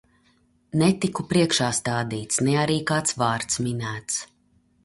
Netiku priekšā stādīts, ne arī kāds vārds minēts.